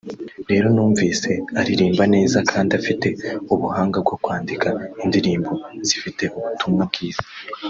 rero numvise aririmba neza kandi afite ubuhanga bwo kwandika indirimbo zifite ubutumwa bwiza